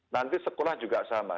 nanti sekolah juga sama